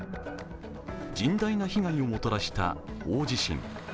甚大な被害をもたらした大地震。